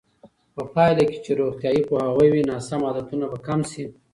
په پایله کې چې روغتیایي پوهاوی وي، ناسم عادتونه به کم شي.